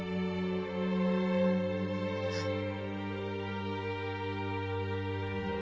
はい。